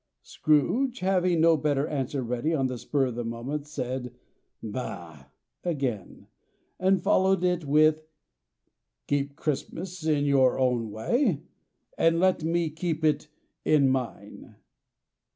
Scrooge having no better answer ready on the spur of the moment, said, "Bah!" again; and followed it up with, "Keep Christmas in your own way, and let me keep it in mine."